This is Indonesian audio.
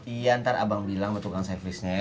iya ntar abang bilang sama tukang servisnya